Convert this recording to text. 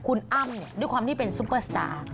คุณอ้ำด้วยความที่เป็นซุปเปอร์สตาร์